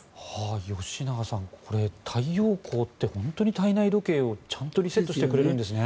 吉永さん、太陽光って本当に体内時計をちゃんとリセットしてくれるんですね。